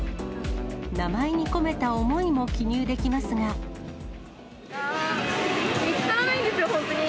名前に込めた思いも記入できます見つからないんですよ、本当に。